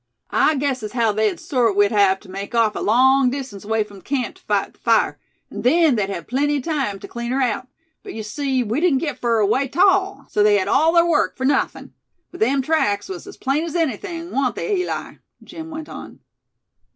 "I guess as haow they thort we'd hev tew make off a long distance away frum the camp tew fight the fire; an' then they'd hev plenty o' time tew clean her aout; but yeou see, we didn't get fur away 'tall, so they hed all ther work fur nawthin'. But them tracks was as plain as anything, wa'n't they, Eli?" Jim went on.